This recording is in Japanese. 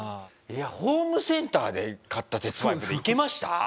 いやホームセンターで買った鉄パイプでいけました？